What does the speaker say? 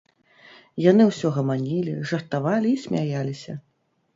Яны ўсё гаманілі, жартавалі і смяяліся.